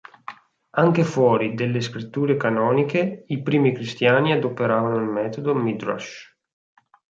Anche fuori delle Scritture canoniche i primi cristiani adoperavano il metodo midrash.